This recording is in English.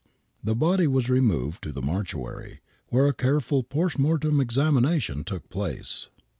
The body was removed to the mortuary, where a careful post mortem examination took place.